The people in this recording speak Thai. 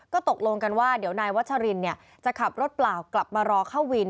ก็ตกลงกันว่าเดี๋ยวนายวัชรินจะขับรถเปล่ากลับมารอเข้าวิน